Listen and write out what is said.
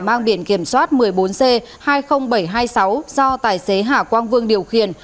mang biển kiểm soát một mươi bốn c hai mươi nghìn bảy trăm hai mươi sáu do tài xế hà quang vương điều khiển